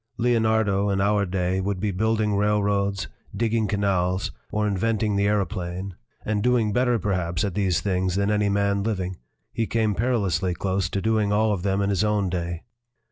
Leonardo in our day would be build ing railroads, digging canals, or inventing the aero plane and doing better, perhaps, at these things than any man living; he came perilously close to doing all of them in his own day.